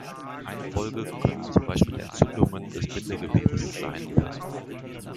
Eine Folge können zum Beispiel Entzündungen des Bindegewebes sein.